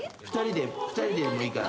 ２人でもいいから。